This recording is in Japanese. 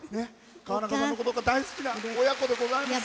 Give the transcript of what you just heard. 川中さんのことが大好きな親子でございます。